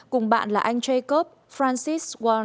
cùng bạn là anh jacob francis